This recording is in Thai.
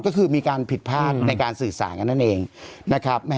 ก็คือมีการผิดพลาดในการสื่อสารกันนั่นเองนะครับ